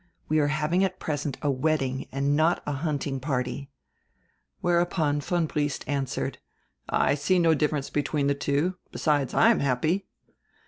We are having at present a wedding and not a hunting party." Whereupon von Briest answered: "I see no difference between the two; besides, I am happy."